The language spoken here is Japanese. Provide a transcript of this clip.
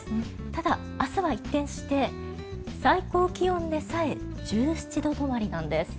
ただ、明日は一転して最高気温でさえ１７度止まりなんです。